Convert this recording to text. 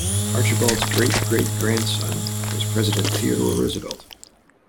Archibald's great-great-grandson was President Theodore Roosevelt.